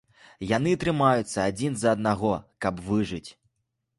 Яны трымаюцца адзін за аднаго, каб выжыць.